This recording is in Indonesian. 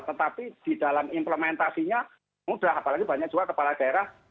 tetapi di dalam implementasinya mudah apalagi banyak juga kepala daerah